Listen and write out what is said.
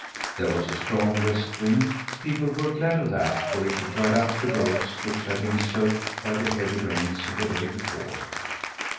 There was a strong west wind; people were glad of that, for it dried up the roads, which had been soaked by the heavy rains of the day before.